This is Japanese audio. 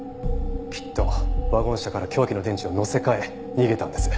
きっとワゴン車から凶器の電池を載せ換え逃げたんです。